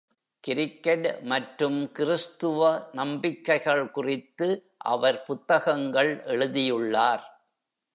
Cricket மற்றும் கிறிஸ்துவ நம்பிக்கைகள் குறித்து அவர் புத்தகங்கள் எழுதியுள்ளார்.